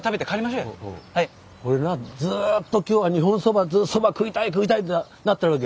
おうおう俺なずっと今日は日本そばそば食いたい食いたいってなってるわけ。